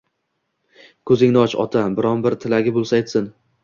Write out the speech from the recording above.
Ko‘zingni och ota bironbir tilagi bo‘lsa aytsin